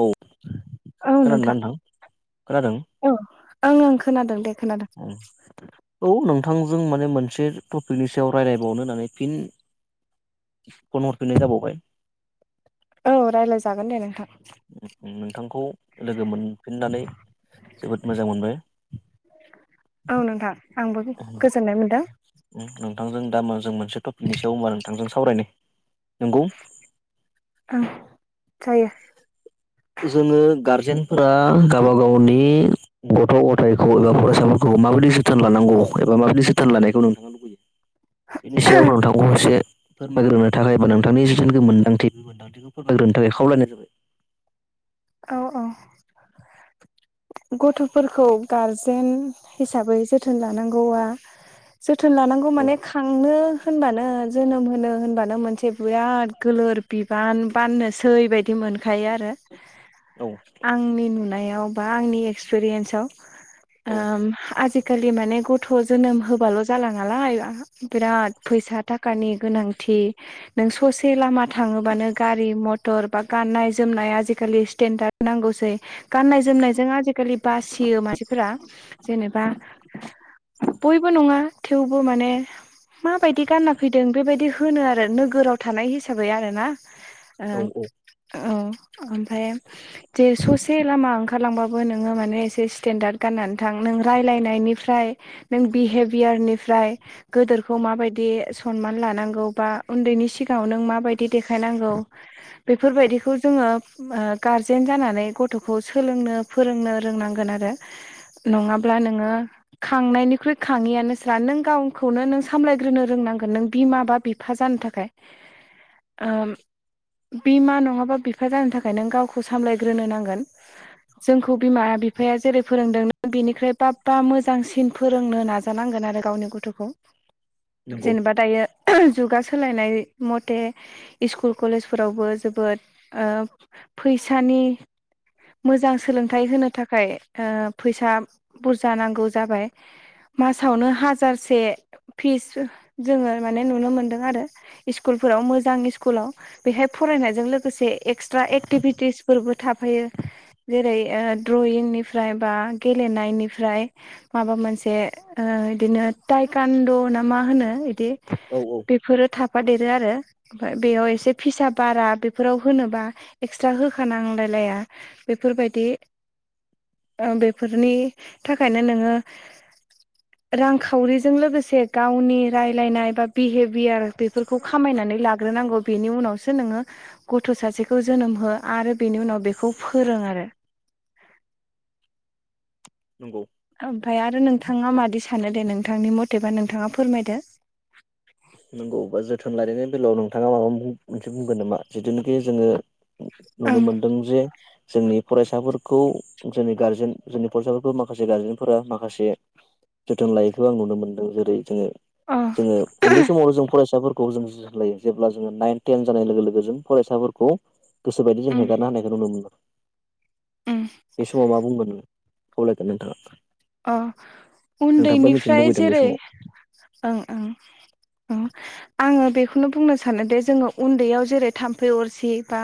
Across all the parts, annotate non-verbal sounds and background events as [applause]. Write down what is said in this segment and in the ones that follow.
औ औ नोंथां खोनादों औ ओं ओं खोनादों दे खोनादों औ नोंथांजों माने मोनसे टपिकनि सायाव रायलायबावनो होननानै फिन फन हरफिननाय जाबावबाय औ रायलायजागोन दे नोंथां। नोंथांखौ लोगो मोन फिननानै जोबोद मोजां मोनबाय। औ नोंथां आंबो गोजोननाय मोनदों। नोंथांजों दा जों मोनसे टपिकनि सायाव होनबा नोंथांजों सावरायनो नंगौ। ओं जायो। जोंङो गारजेनफोरा गावबा गावनि गथ' गथायखौ एबा फरायसाफोरखौ माबोरै जोथोन लानांगौ एबा माबोरै जोथोन लानायखौ नोंथां [inaudible] बेनि सायाव नोंथांखौ एसे फोरमायग्रोनो थाखाय बा नोंथांनि जिथुनाखि मोनदांथि बे मोनदांथिखौ फोरमायग्रोनो थाखाय खावलायनाय जाबाय। औ औ। गथ'फोरखौ गारजेन हिसाबै जोथोन लानांगौआ जोथोन लानांगौ माने औ खांनो होनबानो जोनोम होनो होनबानो मोनसे बिराद गोलोर बिबान बाननोसै बायदिमोन मोनखायो आरो औ आंनि नुनायाव बा आंनि एक्सपिरियेन्सआव औ ओम आजि खालि माने गथ' जोनोम होबाल' जाला नालाय बिराद फैसा थाखानि गोनांथि नों ससे लामा थाङोबानो गारि मथर बा गाननाय जोमनाय आजिखालि स्थेन्डार नांगौसै गाननाय जोमनायजों आजि खालि बासियो मानसिफोरा जेनेबा बयबो नङा। थेवबो माने माबायदि गानना फैदों बेबायदि होनो आरो नोगोराव थानाय हिसाबै आरोना। औ ओ औ औ ओमफ्राय जे ससे लामा ओंखारलांबाबो नोङो माने एसे स्टेेनडार्द गाननानै थां नों रायलायनायनिफ्राय नों बिहेभयारनिफ्राय गोदोरखौ माबायदि सनमान लानांगौ बा उन्दै नि सिगाङाव नों मा बायदि देखायनांगौ बेफोरबायदिखौ जोङो ओ गारजेन जानानै गथ'खौ सोलोंनो फोरोंनो रोंनांगोन आरो नङाब्ला नोङो खांनायनिख्रुइ खाङैआनो स्रा नों गावखौनो नों सामलायग्रोनो रोंनांगोन नों बिमा बा बिफ फा जानो थाखाय ओम बिमा नङाबा बिफा जानो थाखाय नों गाव खौ सामलायग्रोनो नांगोन‌। जोंखौ बिमा बिफाया जेरै फोरोंदों नों बिनिख्रुय बाबबा मोजांसिन फोरोंनो नाजानांगोन। आरो गावनि गथ'खौ नंगौ जेनेबा दायो जुगा सोलायनाय मथे स्कुल कलेजफोरावबो जोबोद ओ फैसानि मोजां सोलोंथाइ होनो थाखाय ओ फैसा बुरजा नांगौ जाबाय। मासावनो हाजारसे फिस जोङो माने नुनो मोनदों आरो स्कुल फोराव मोजां स्कुलाव बेवहाय फरायनायजों लोगोसे एक्सट्रा एक्टिभिटिसफोरबो थाफैयो जेरै ओ द्रयिंनिफ्राय बा गेलेनायनिफ्राय माबा मोनसे ओ बिदिनो टाइकान्ड' ना मा होनो बिदि औ औ बेफोरो थाफादेरो आरो ओमफ्राय बेयाव एसे फिसा बारा बेफोराव होनोबा एक्सट्रा होखानांलायलाया बेफोरबायदि बेफोरनि थाखायनो नोङो रांखावरिजों लोगोसे गावनि रायलायनाय बा बिहेभियार बेफोरखौ खामायना नानै लाग्रोनांगौ बेनि उनावसो नोङो गथ' सासेखौ जोनोम हो आरो बेनि उनाव बेखौ फोरों आरो। नंगौ। ओमफ्राय आरो नोंथाङा मादि सानो दे नोंथांनि मथेबा नोंथाङा फोरमायदो। नंगौ बा जोथोन लायनायनि बेलायाव नोंथाङा माबा मोनसे बुंगोन नामा जिथुनिखि जोङो नुनो ओं मोनदोंं जे जोंनि फरायसाफोरखौ जोंनि गारजेन जोंनि फरायसाफोरखौ माखासे गारजेनफोरा माखासे जोथोन लायैखौ आं नुनो मोनदों जेरै जोङो अ जोङो उन्दै समावल' जों फरायसाफोरखौ जों जोथोन लायो जेब्ला जोङो नाइन थेन जानाय लोगो लोगो जों फरायसाफोरखौ गोसोबायदि जों उम हगारना होनायखौ नुनो मोनदों उम बे समाव मा बुंगोन खावलायगोन नोंथाङा अ नोंथाङाबो मिथिनो उन्दैनिफ्राय लुबैदों बे जेरै समाव ओं ओं ओं आङो बेखौनो बुंनो सानोदिे जोङो उन्दैयाव जेरै थाम्फै अरसि बा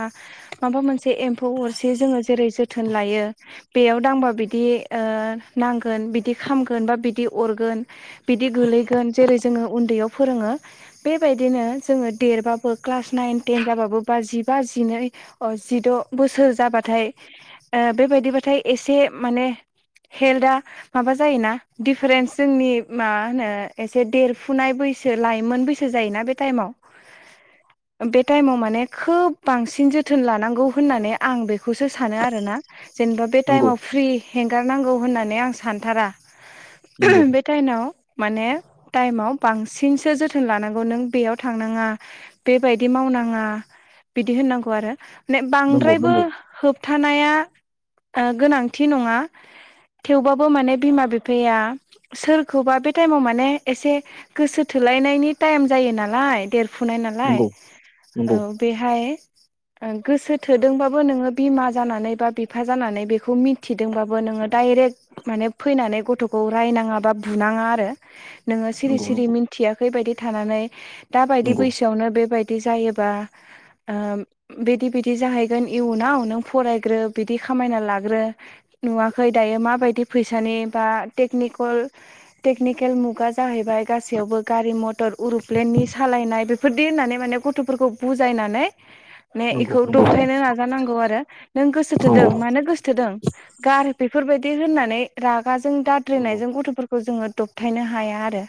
माबा मोनसे जे एम्फौ अरसे जोङो जेरै जोथोन लायो बेयाव दांबा बिदि ओ नांगोन बिदि खामगोन बा बिदि अरगोन बिदि गोलैगोन जेरै जोङो उन्दैयाव फोरोङो बेबायदिनो जोङो देरबाबो क्लास नाइन टेन जाबाबो बा जिबा जिनै अ जिद बोसोर जाबाथाय ओ बेबायदिबाथाय एसे माने हेल्था माबा जायोना दिडिफारेन्स जोंनि मा होनो एसे देर फुनाय बैसो लाइमोन बैसो जायोना बे टाइमाव बे टाइमाव माने खोब बांसिन जोथोन लानांगौ होननानै आं बेखौसो सानो आरोना जेनेबा बे नंगौ टाइमाव फ्रि हेंगारनांगौ होननानै आं सानथारा। नंगौ उम बे टाइनाव माने टाइमाव बांसिनसो जोथोन लानांगौ नों बेयाव थांनाङा बेबायदि मावनाङा बिदि होननांगौ आरो ने नंगौ बांद्रायबो नंगौ होबथानाया ओ गोनांथि नङा। थेवबाबो माने बिमा बिफाया सोरखौबा बे टाइमाव माने एसे गोसो थोलाय लायनायनि टाइम जायो नालाय देरफुनाय नालाय नंगौ औ नंगौ बेहाय ओ गोसो थोदोंबाबो नोङो बिमा जानानै बा बिफा जानानै बेखौ मिथिदोंबाबो नोङो डाइरेक्ट माने फैनानै गथखौ रायनाङा बा बुनाङा आरो नोङो सिरि नंगौ नंगौ सिरि मिथियाखै बायदि थानानै दा बायदि नंगौ बैसोआवनो बेबाय बि जायोबा उम बेदि बेदि जाहैगोन इयुनाव नों फरायग्रानि बिदि खा खामायना लाग्रो नुवा खै दायो माबायदि फैसानि बा टेकनिकल टेकनिकेल मुगा जाहैबाय गासै यावबो गारि मथर उरप्लेननि सालायनाय बेफोरदि होननानै माने गथफोरखौ बुजायनानै ने नंगौ इखौ नंगौ दबथायनो नाजानांगौ आरो नों गोसोथोदों नंगौ मानो गोसोथोदों गार बेफोरबायदि होननानै रागाजों नंगौ दाद्रिनायजों गथफोरखौ जोङो दबथायनो हाया आरो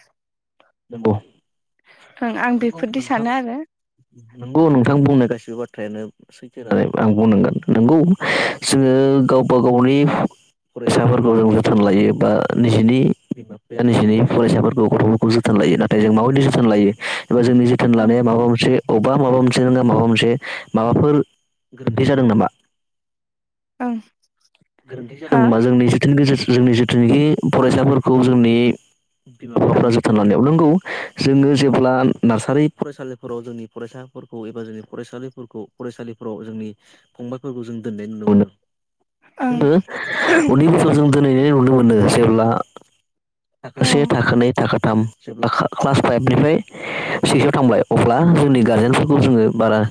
नंगौ। ओं आं नोंगौ बेफोरदि नोंथां सानो आरो नंगौ नोंथां बुंनाय गासिबो बाथ्रायानो सैथो होननानै आं बुंनांगोन नंगौ जोङो गावबा गावनि फरायसाफोरखौ जों जोथोन लायो बा निजिनि बिमा बिफाया निजिनि फरायसाफोरखौ गथफोरखौ जोथोन नाथाय जोङो माबादि जोथोन लायो एबा जोंनि जोथोन ओं लानाया माबा मोनसे अबावबाय माबा मोनसे माबा मोनसे माबाफोर गोरोन्थि जादों नामा? ओं। गोरोन्थि हा जादोंबा जोंनि जिथ जोंनि जिथुनिखि फरायसाफोरखौ जोंनि बिमा ओं बिफाफोरा जोथोन लानायाव नोंगौ जोङो जेब्ला नार्सारि फरायसालिफोराव जोंनि फरायसाफोरखौ एबा जोंनि फरायसालिफोरखौ फरायसालिफोराव जोंनि फंबायफोरखौ जों दोननाय नुनो मोनो। [inaudible] जोङो उन्दै जों दोनैनाय नुनो मोनो जेब्ला थाखो औ से थाखो नै थाखो थाम जेनब्ला खा क्लास फाइभनिफ्राय सिक्सआव थांबाय अब्ला जोंनि गार्जेनफोरखौ जोङो बारा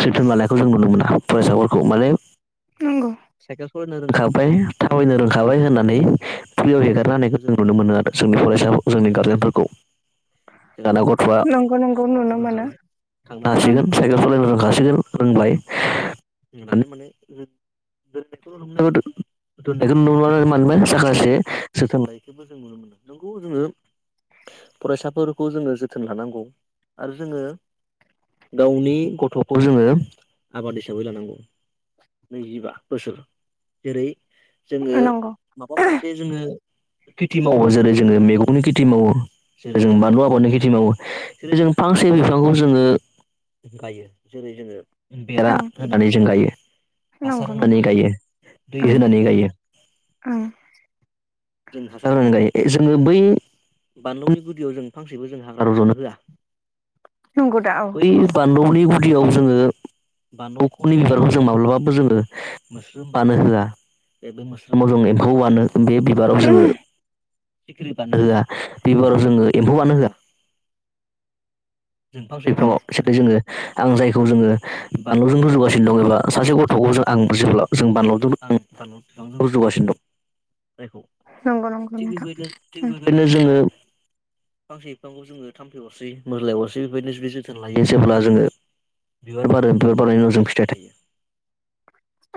जोथोन लानायखौ जों नुनो मोना फरायसा फोरखौ माने नंगौ। साइकेल रोंखाबाय थाबायनो रोंखाबाय होननानै फ्रियाव हेगारनो हानायखौ जों नुनो मोनो आरो जोंनि फरायसा जोंनि गारजेनफोरखौ। जोंङाना गथआ नंगौ नंगौ नुनो मोनो रोंखाबाय थांनो ओं हासिगोन साइकेल सालायनो रोंखासिगोन खेल रोंबाय मोने [unintelligible] नायनायखौ नुनो मोनो मानोना साखासे जोथोन लायखौबो जों नु नुनो मोन नोंगौ जोंनो जों फरायसाफोरखौ जोङो जोथोन लानांगौ आरो जोङो गावनि गथ'खौ जोङो आबाद हिसाबै लानांगौ। नैजिबा बोसोर जेरै जोङो नंगौ माबा मोनसे जोङो खेथि मावो जेरै जोङो मैगंनि खेथि मावो जेरै जों बानलु आबादनि खेथि मावो जेरै जों फांसे बिफांखौ जोङो गायो जेरै जोङो बेरा ओं होनानै जों गायो। नंगौ नंगौ हासारहोनानै गाययो दै ओं होनानै गायो ओं जों हासार होनानै गायो ए ए जोङो बै बानलुनि गुदियाव जों फांसेबो जों हाग्रा रज'नो होआ नंगौ दा औ यै औ बानलौनि फुलियाव जोङो बानलु फुलिफोरखौ जों माब्लाबाबो जोङो मोस्रोम बानो होआ बे बे मोस्रोमाव जों एम्फौ बानो बे बिबाराव जोङो सिख्रि बानो होआ बेबाराव जोङो एम्फौ बानो होआ जों फांसे उम बिफांआव [unintelligible] जोङो आं जायखौ जोङो बानलुजों रुजुगासिनो दं एबा सासे गथ'खौ जों आं जेब्ला जों बानलुजों बानलु फिफां रज' गासिनो दं [inaudible] जयखौ नंगौ नंगौ थिग नोंथां बेबायदिनो थिग उम बेबायदिनो जोङो फांसे बिफांखौ जोङो थाम्फै हरसै मोजाय हरसै बेबायदिनो जुदि जोथोन लायो जेब्ला जोङो बिबार बारो बिबार बारनायनि उनाव जों फिथाइ थायो।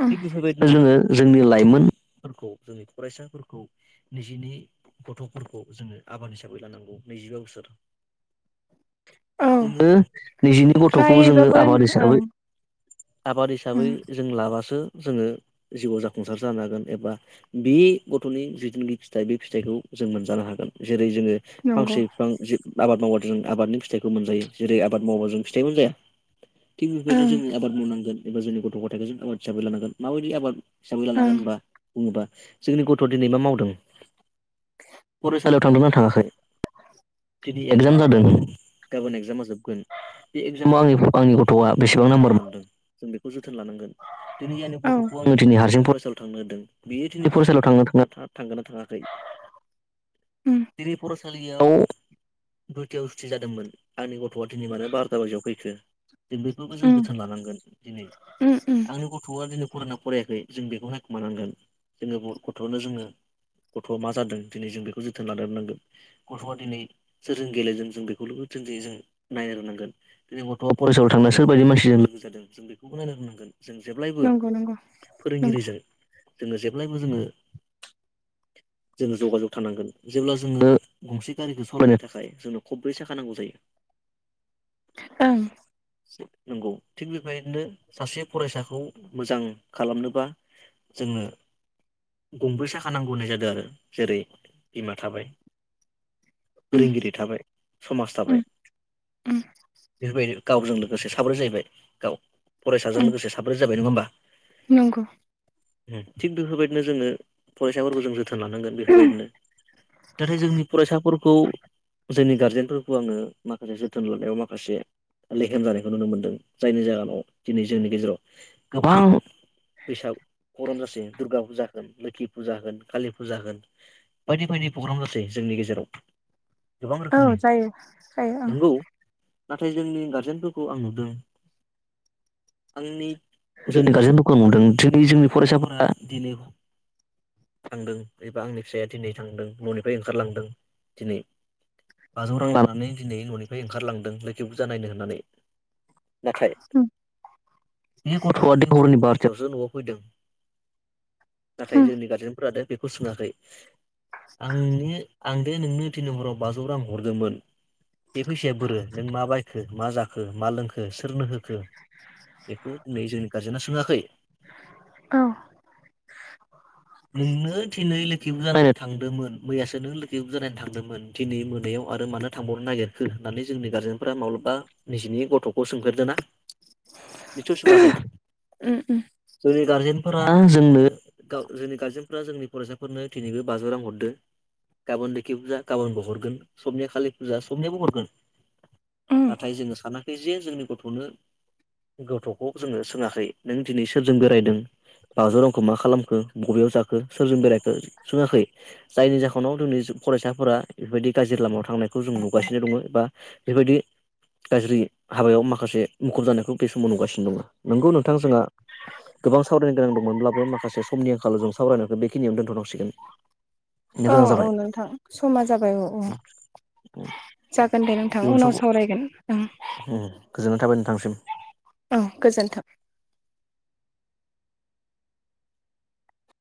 उम थिग बेफोरबायदिनो जोङो जोंनि लाइमोन फोरखौ जोंनि फरायसाफोरखौ निजिनि गथ'फोरखौ जोङो आबाद हिसाबै लानांगौ नैजिबा बोसोर [inaudible] औ जोङो निजिनि गथ'खौ जोङो फ्रायबाबो आबाद हिसाबै ओं आबाद उम हिसाबै जों लाबास ओ जोङो जिउआव जाफुंसार जान हांगोन एबा बे गथ'नि जिथुनाखि फिथाइ बे फिथाइ खौ जों मोनजानो हागोन जेरै जोङो नंगौ फांसे बिफां जि आबाद माव जों आबादनि फिथाइखौ मोनजायो जेरै आबाद मावबा जों फिथाइ मोनजाया थिगबेबादिनो ओं जोङो आबाद मावनांगोन एबा जोंनि गथ' गथथायखौ जों आबाद हिसाबै लानांगोन माबायदि आबाद हिसाबै ओं लानांगोन होनबा बुङोदा जोंनि गथ'आ दिनै मा मावदों फरायसालियाव थांदों नना थाङाखै दिनै एगजाम जादों गाबोन एगजामा जोबगोन बे एगजामाव आंनि आंनि गथ'आ बेसेबां नाम्बार मोनदों जों बेखौ जोथोन लानांगोन दिनै आंनि औ गथ'खौ आङो दिनै हारसिं फरायसालियाव थांनो होदों बियो दिनै फरायसालियाव थांनो थाङा थांगोना थाङाखै उम सालियाव दुइथायाव सुथि जादोंमोन आंनि गथ'आ दिनै मानो बार'था बाजियाव फैखो दिनै बेफोरखौ जों उम जोथोन लानांगोन दिनै उम उम आंनि गथ'आ दिनै फरायना फरायाखै जों बेखौहाय नायखुमानांगोन जोङो बर गथ'आनो जोङो गथ'आ मा जादों दिनै जों बेखौ जोथोन लानोरोंनांगोन गथ'आ दिनै सोरजों गेलेजों जों बेखौनो जों जै जों नायनो रोंनांगोन जोंनि गथ'आ फरायसााव थांना सोरबायदि मानसिजों लोगो जादों जों बेखौबो नायनो रनांगोन जों जेब्लायबो नंगौ नंगौ नंगौ फोरोंगिरिजों जोङो जेब्लायबो जोङो [inaudible] जोङो जगाजग थानांगोन जेब्ला जोङो गंसे गारिखौ सालायनो थाखाय जोंनो खब्रै साखा नांगौ जायो ओं नंगौ थिग बेबायदिनो सासे फरायसाखौ मोजां खालामनोबा जोंनो गंबै साखा नांगौ होननाय जादों आरो जेरै बिमा थाबाय उम फोरोंगिरि थाबाय समाज थाबाय उम उम बेफोरबायदि गावजों लोगोसे साब्रै जाहैबाय गाव फरायसाजों उम लोगोसे साब्रै जाबाय नङा होमबा? नंगौ उम थिग बेफोरबायदिनो जोङो फरायसाफोरखौ जों थोन लानांगोन बेफोरबायदिनो थाथाय जोंनि फरायसाफोरखौ जोंनि गारजेनफोरखौ आङो माखासे जोथोन लानायाव माखासे लेखम जानायखौ नुनो मोनदों जायनि जाहोनाव दिनै जोंनि गेजेराव गोबां बैसाग प्रग्राम जासै दुर्गा फुजा होन लोखि फुजा होन कालि फुजा होन बायदि बायदि प्रग्राम जासै जों जोंनि गेजेराव गोबां औ रोखोमनि जायो जायो ओं नंगौ नाथाय जोंनि गारजेनफोरखौ आं नुदों आंनि जोंनि गारजेनफोरखौ नुदों थिग बि जोंनि फरायसाफोरा दिनै थांदों एबा आंनि फिसाया दिनै थांदों न'निफ्राय ओंखारलांदों दिनै बाजौ रां लानानै दिनै न'निफ्राय ओंखारलांदों लोखि बुरजा नायनो होननानै नाथाय उम बे गथ'वादि हरनि बारथायावसो न'वाव फैदों नाथाय उम जोंनि गारजेनफोरादो बेखौ सोङाखै आंनि आं दे नोंनो तिन हराव बाजौ रां हरदोंमोन बे फैसाया बोरो नों मा बायखो मा जा खो मा लोंखो सोरनो होखो बेखौ नै जोंनि गारजेना सोङाखै औ नोंनो थिनै लेख खि फुजानायनो थांदोंमोन मैयासो नों लोखि फुजा नायनो थांदोंमोन दिनै मोनायाव आरो मानो थांबावनो नागिरखो होननानै जोंनि गारजेनफ्रा माब्लाबा निजिनि गथ'खौ सोंफेरदोना बेथ' सोङाखै उम उम जोंनि गारजेनफोरा जोंनो गाव जोंनि गारजेनफोरा जोंनि फरायसाफोरनो थिनिबो बाजौ रां हरदो गाबोन लोखि फुजा गाबोनबो हरगोन सबनिया खालि फुजा सनियाबो हरगोन। उम नाथाय जोङो सानाखै जे जोंनि गथ'नो गथ'खौ जोङो सोङाखै नों दिनै सोरजों बेरायदों बाजौ रांखौ मा खालामखो बबेयाव जाखो सोरजों बेरायखो सोङाखै जायनि जाहोनाव जोंनि फरायसाफोरा बेफोरबायदि गाज्रि लामायाव थांनायखौ जों नुगासिनो दङ बा बेबायदि गाज्रि हाबायाव माखासे मुखुब जानायखौ बे समाव नुगासिनो दङ नंगौ नोंथां जोंहा गोबां सावरायनो गोनां दंमोनब्लाबो माखासे समनि आंखालाव जों सावरायनायखौ बेखिनियावनो दोन्थ'नांसिगोन औ औ नोंथां समा जाबाय औ औ। जागोन दे नोंथां इयुन उनाव समाव सावरायगोन ओं गोजोननाय थाबाय नोंथांसिम ओं गोजोन्थों